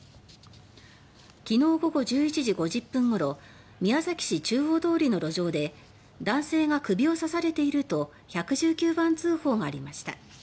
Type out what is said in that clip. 昨日午後１１時５０分ごろ宮崎市中央通の路上で「男性が首を刺されている」と１１９番通報がありました。